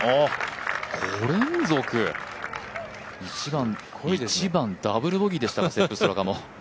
５連続１番ダブルボギーでしたセップ・ストラカも。